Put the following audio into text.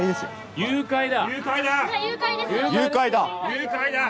・誘拐だ！